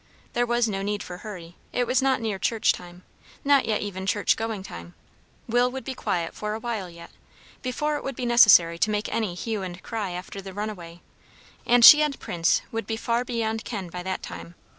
There was no need for hurry; it was not near church time, not yet even church going time; Will would be quiet for a while yet, before it would be necessary to make any hue and cry after the runaway; and she and Prince would be far beyond ken by that time.